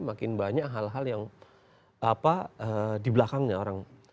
makin banyak hal hal yang di belakangnya orang